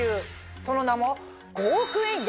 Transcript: その名も。